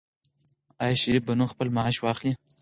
آیا شریف به نن خپل معاش واخلي؟